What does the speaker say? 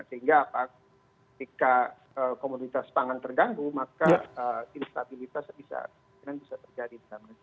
sehingga apabila komunitas pangan terganggu maka instabilitas bisa terjadi